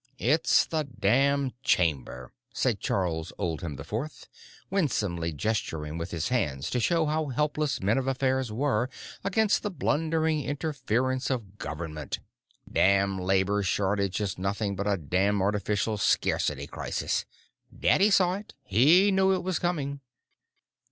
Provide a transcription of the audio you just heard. "It's the damn Chamber," said Charles Oldham IV, winsomely gesturing with his hands to show how helpless men of affairs were against the blundering interference of Government. "Damn labor shortage is nothing but a damn artificial scarcity crisis. Daddy saw it; he knew it was coming."